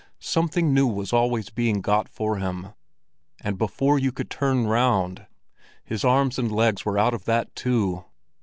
Something new was always being got for him, and before you could turn round, his arms and legs were out of that too.